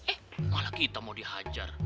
eh malah kita mau dihajar